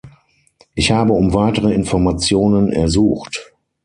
Ich habe um weitere Informationen ersucht.